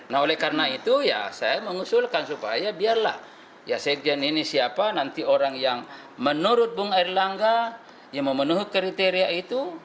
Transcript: nah oleh karena itu ya saya mengusulkan supaya biarlah ya sekjen ini siapa nanti orang yang menurut bung erlangga yang memenuhi kriteria itu